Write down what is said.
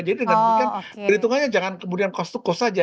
jadi dengan mengingat berhitungannya jangan kemudian kos tukos saja